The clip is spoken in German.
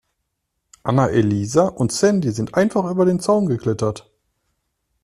Anna-Elisa und Sandy sind einfach über den Zaun geklettert.